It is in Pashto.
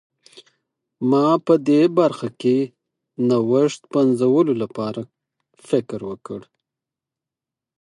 ما په دې برخه کې نوښت پنځولو لپاره فکر وکړ.